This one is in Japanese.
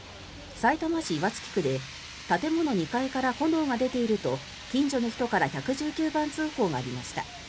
さいたま市岩槻区で建物２階から炎が出ていると近所の人から１１９番通報がありました。